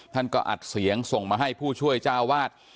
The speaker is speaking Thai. ท่านก็อัดเสียงส่งมาให้ผู้ช่วยเจ้าวาด